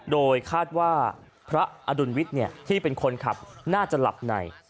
โดยคาดว่าพระอดุลวิทย์ที่เป็นคนขับน่าจะหลับใน